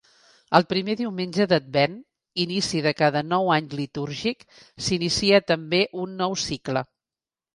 El primer diumenge d'Advent, inici de cada nou any litúrgic, s'inicia també un nou cicle.